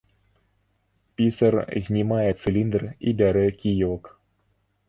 Пісар знімае цыліндр і бярэ кіёк.